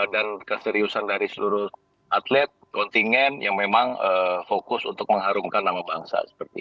dan keseriusan dari seluruh atlet kontingen yang memang fokus untuk mengharumkan nama bangsa seperti ini